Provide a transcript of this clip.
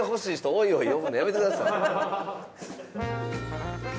「おいおい」呼ぶのやめてください。